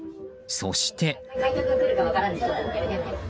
そして。